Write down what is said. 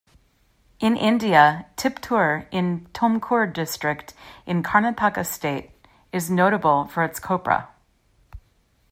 In India, Tiptur in Tumkur district in Karnataka state is notable for its copra.